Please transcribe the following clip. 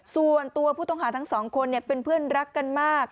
ส่วนตัวผู้ต้องหาทั้งสองคนเป็นเพื่อนรักกันมาก